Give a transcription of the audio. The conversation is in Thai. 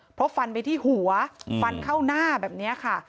เพราะฟันไปที่หัวฟันเข้าหน้าแบบนี้ค่ะ